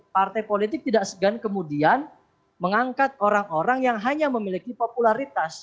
partai politik tidak segan kemudian mengangkat orang orang yang hanya memiliki popularitas